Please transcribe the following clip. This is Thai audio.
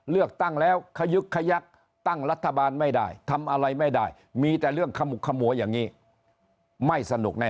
เลือกตั้งแล้วขยึกขยักตั้งรัฐบาลไม่ได้ทำอะไรไม่ได้มีแต่เรื่องขมุกขมัวอย่างนี้ไม่สนุกแน่